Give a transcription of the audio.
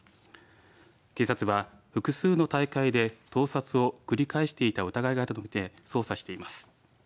警察は複数の大会で盗撮を繰り返していた疑いがあるとみて捜査しています。